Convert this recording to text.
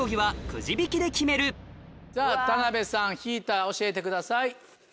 さぁ田辺さん引いたら教えてください。